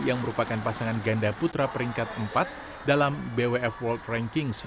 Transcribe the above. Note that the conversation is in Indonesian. yang merupakan pasangan ganda putra peringkat empat dalam bwf world ranking